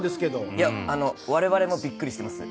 我々もびっくりしてます。